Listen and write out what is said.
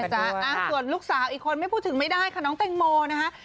ส่วนลูกสาวอีกคนไม่พูดถึงไม่ได้ค่ะน้องแตงโมนะคะ